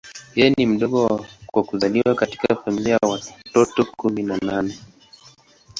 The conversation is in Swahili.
Yeye ni mdogo kwa kuzaliwa katika familia ya watoto kumi na nne.